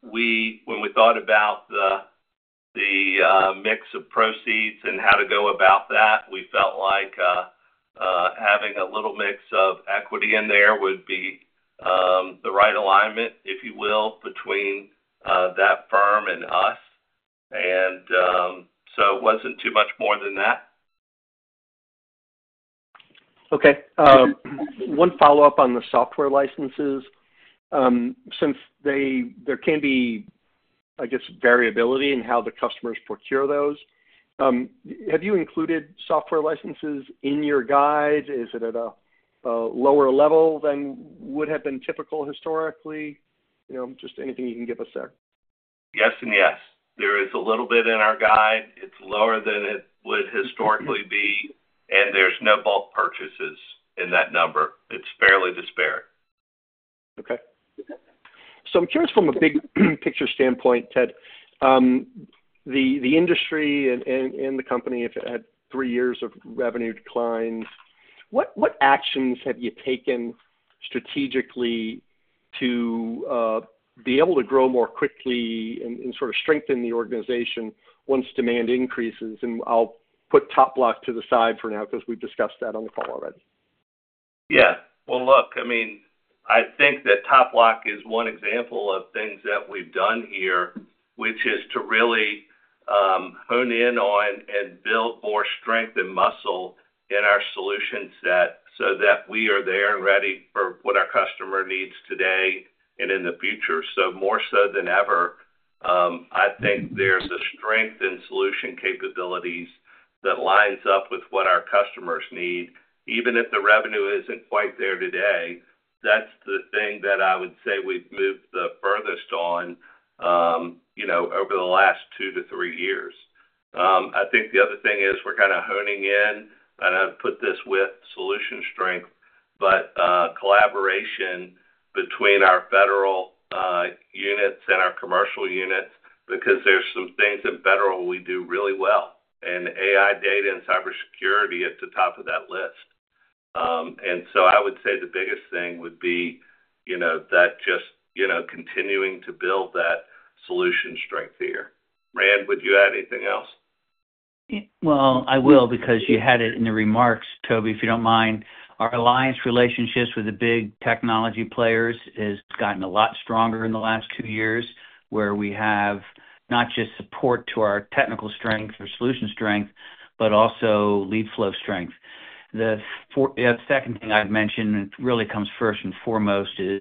when we thought about the mix of proceeds and how to go about that, we felt like having a little mix of equity in there would be the right alignment, if you will, between that firm and us. And so it wasn't too much more than that. Okay. One follow-up on the software licenses. Since there can be, I guess, variability in how the customers procure those, have you included software licenses in your guide? Is it at a lower level than would have been typical historically? Just anything you can give us there. Yes and yes. There is a little bit in our guide. It's lower than it would historically be, and there's no bulk purchases in that number. It's fairly disparate. Okay. So I'm curious from a big-picture standpoint, Ted, the industry and the company, if it had three years of revenue declined, what actions have you taken strategically to be able to grow more quickly and sort of strengthen the organization once demand increases? And I'll put TopBloc to the side for now because we've discussed that on the call already. Yeah. Well, look, I mean, I think that TopBloc is one example of things that we've done here, which is to really hone in on and build more strength and muscle in our solution set so that we are there and ready for what our customer needs today and in the future. So more so than ever, I think there's a strength in solution capabilities that lines up with what our customers need. Even if the revenue isn't quite there today, that's the thing that I would say we've moved the furthest on over the last two to three years. I think the other thing is we're kind of honing in. I don't put this with solution strength, but collaboration between our Federal units and our Commercial units because there's some things in Federal we do really well, and AI data and cybersecurity at the top of that list, and so I would say the biggest thing would be that just continuing to build that solution strength here. Rand, would you add anything else? Well, I will because you had it in the remarks, Toby, if you don't mind. Our alliance relationships with the big technology players has gotten a lot stronger in the last two years, where we have not just support to our technical strength or solution strength, but also lead flow strength. The second thing I'd mention, and it really comes first and foremost, is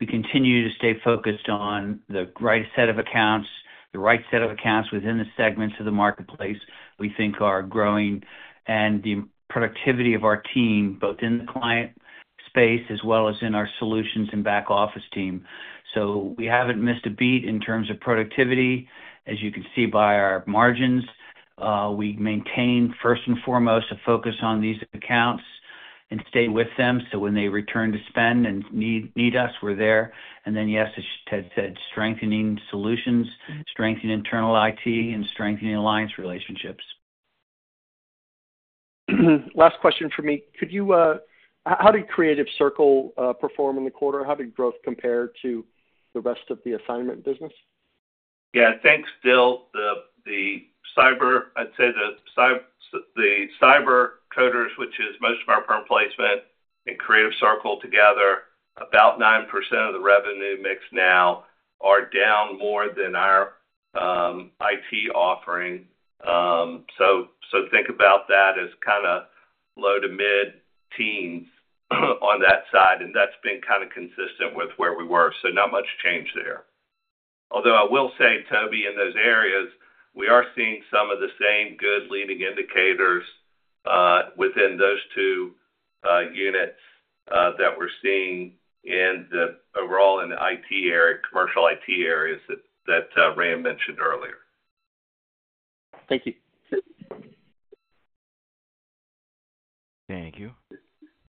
we continue to stay focused on the right set of accounts, the right set of accounts within the segments of the marketplace we think are growing, and the productivity of our team, both in the client space as well as in our solutions and back office team. So we haven't missed a beat in terms of productivity. As you can see by our margins, we maintain, first and foremost, a focus on these accounts and stay with them. So when they return to spend and need us, we're there. And then, yes, as Ted said, strengthening solutions, strengthening internal IT, and strengthening alliance relationships. Last question for me. How did Creative Circle perform in the quarter? How did growth compare to the rest of the assignment business? Yeah. Thanks, Dyl. The cyber, I'd say the CyberCoders, which is most of our perm placement, and Creative Circle together, about 9% of the revenue mix now are down more than our IT offering. So think about that as kind of low to mid-teens on that side. And that's been kind of consistent with where we were. So not much change there. Although I will say, Tobey, in those areas, we are seeing some of the same good leading indicators within those two units that we're seeing overall in the IT area, Commercial IT areas that Rand mentioned earlier. Thank you. Thank you.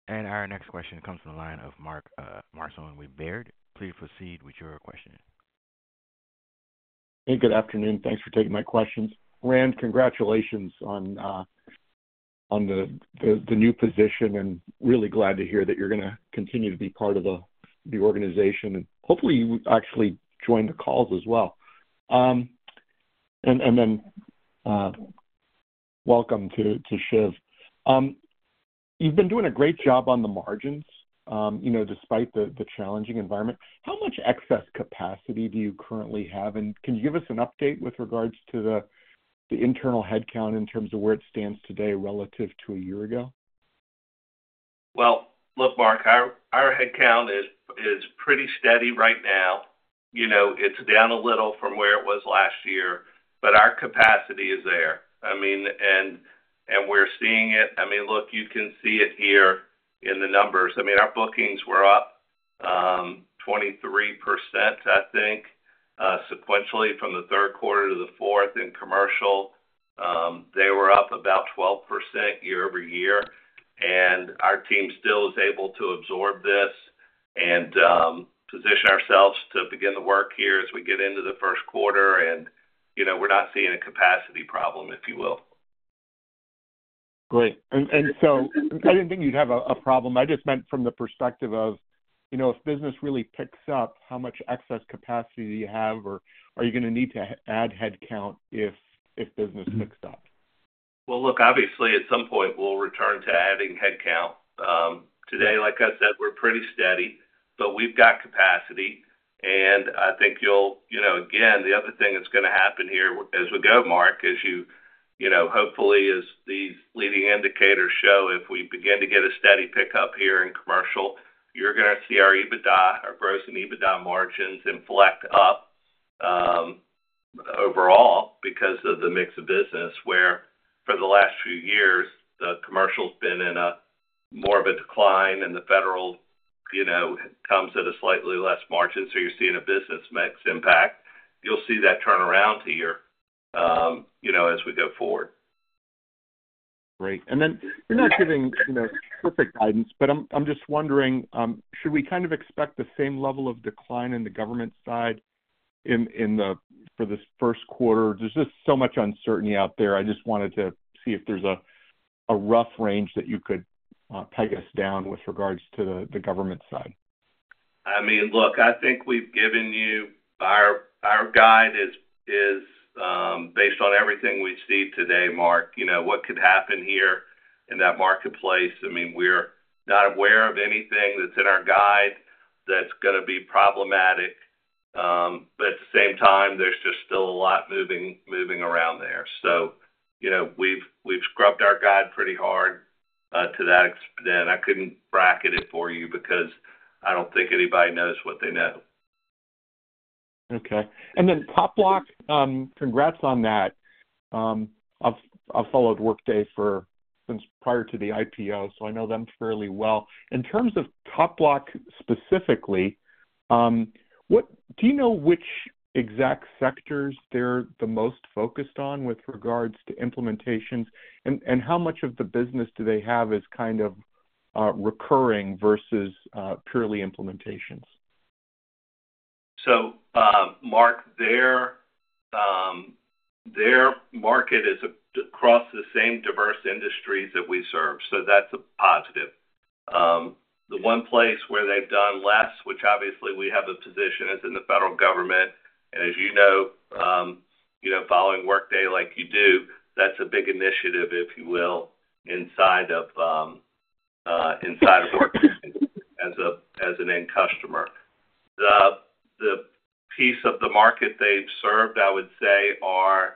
And our next question comes from the line of Mark Marcon with Baird. Please proceed with your question. Hey, good afternoon. Thanks for taking my questions. Rand, congratulations on the new position, and really glad to hear that you're going to continue to be part of the organization. And hopefully, you actually joined the calls as well. And then welcome to Shiv. You've been doing a great job on the margins despite the challenging environment. How much excess capacity do you currently have? And can you give us an update with regards to the internal headcount in terms of where it stands today relative to a year ago? Well, look, Mark, our headcount is pretty steady right now. It's down a little from where it was last year, but our capacity is there. I mean, and we're seeing it. I mean, look, you can see it here in the numbers. I mean, our bookings were up 23%, I think, sequentially from the third quarter to the fourth in Commercial. They were up about 12% year-over-year, and our team still is able to absorb this and position ourselves to begin the work here as we get into the first quarter, and we're not seeing a capacity problem, if you will. Great, and so I didn't think you'd have a problem. I just meant from the perspective of if business really picks up, how much excess capacity do you have, or are you going to need to add headcount if business picks up? Well, look, obviously, at some point, we'll return to adding headcount. Today, like I said, we're pretty steady, but we've got capacity. And I think you'll, again, the other thing that's going to happen here as we go, Mark, as you hopefully, as these leading indicators show, if we begin to get a steady pickup here in Commercial, you're going to see our EBITDA, our gross and EBITDA margins inflect up overall because of the mix of business, where for the last few years, the Commercial's been in more of a decline, and the Federal comes at a slightly less margin. So you're seeing a business mix impact. You'll see that turnaround here as we go forward. Great. And then you're not giving specific guidance, but I'm just wondering, should we kind of expect the same level of decline in the government side for this Q1? There's just so much uncertainty out there. I just wanted to see if there's a rough range that you could peg us down with regards to the Government side. I mean, look, I think we've given you our guide is based on everything we see today, Mark. What could happen here in that marketplace? I mean, we're not aware of anything that's in our guide that's going to be problematic. But at the same time, there's just still a lot moving around there. So we've scrubbed our guide pretty hard to that extent. I couldn't bracket it for you because I don't think anybody knows what they know. Okay. And then TopBloc, congrats on that. I've followed Workday since prior to the IPO, so I know them fairly well. In terms of TopBloc specifically, do you know which exact sectors they're the most focused on with regards to implementations, and how much of the business do they have as kind of recurring versus purely implementations? So, Mark, their market is across the same diverse industries that we serve. So that's a positive. The one place where they've done less, which obviously we have a position, is in the Federal Government. And as you know, following Workday like you do, that's a big initiative, if you will, inside of Workday as an end customer. The piece of the market they've served, I would say, are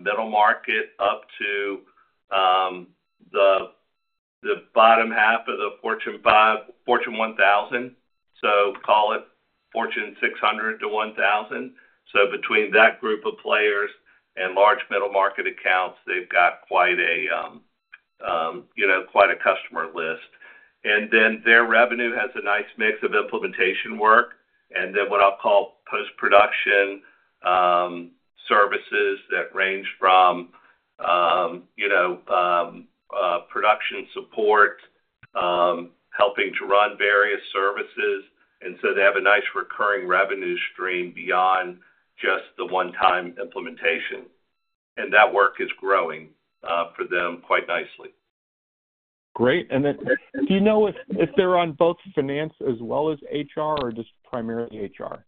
middle market up to the bottom half of the Fortune 1000, so call it Fortune 600 to 1000. So between that group of players and large middle-market accounts, they've got quite a customer list. And then their revenue has a nice mix of implementation work and then what I'll call post-production services that range from production support, helping to run various services. And so they have a nice recurring revenue stream beyond just the one-time implementation. And that work is growing for them quite nicely. Great. And then do you know if they're on both Finance as well as HR, or just primarily HR?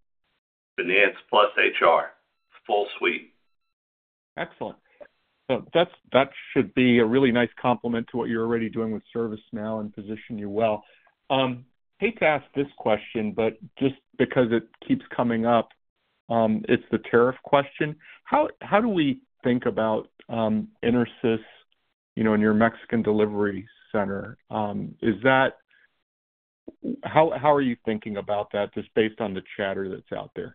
Finance plus HR. Full suite. Excellent. That should be a really nice complement to what you're already doing with ServiceNow and position you well. Hate to ask this question, but just because it keeps coming up, it's the tariff question. How do we think about Intersys in your Mexican delivery center? How are you thinking about that just based on the chatter that's out there?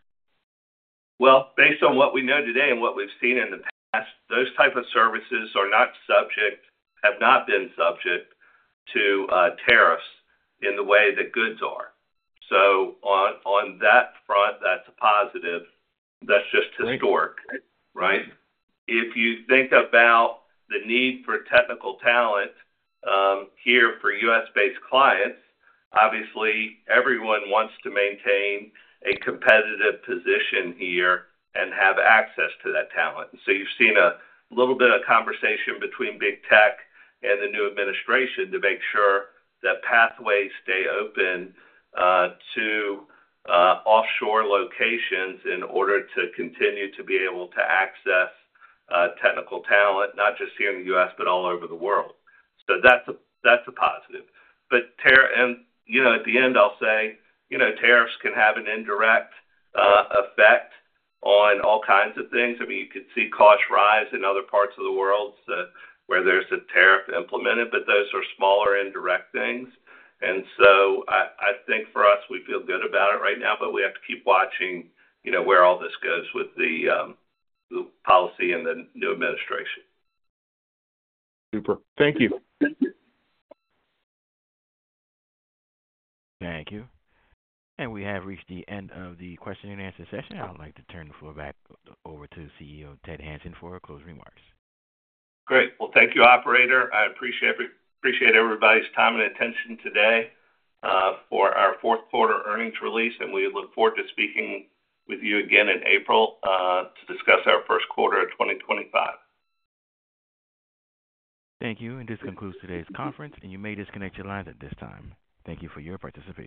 Based on what we know today and what we've seen in the past, those types of services are not subject, have not been subject to tariffs in the way that goods are. On that front, that's a positive. That's just historic, right? If you think about the need for technical talent here for U.S.-based clients, obviously, everyone wants to maintain a competitive position here and have access to that talent. And so you've seen a little bit of conversation between big tech and the new administration to make sure that pathways stay open to offshore locations in order to continue to be able to access technical talent, not just here in the U.S., but all over the world. That's a positive. At the end, I'll say tariffs can have an indirect effect on all kinds of things. I mean, you could see costs rise in other parts of the world where there's a tariff implemented, but those are smaller indirect things. And so I think for us, we feel good about it right now, but we have to keep watching where all this goes with the policy and the new administration. Super. Thank you. Thank you. And we have reached the end of the question and answer session. I'd like to turn the floor back over to CEO Ted Hanson for closing remarks. Great. Well, thank you, operator. I appreciate everybody's time and attention today for our fourth quarter earnings release. And we look forward to speaking with you again in April to discuss our first quarter of 2025. Thank you. And this concludes today's conference, and you may disconnect your lines at this time. Thank you for your participation.